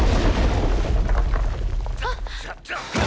あっ！